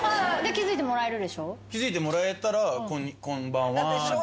気付いてもらえたらこんばんはで。